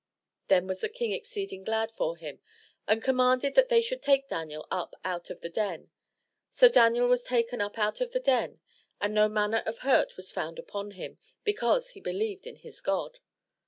Then was the King exceeding glad for him, and commanded that they should take Daniel up out of the den. So Daniel was taken up out of the den, and no manner of hurt was found upon him, because he believed in his God.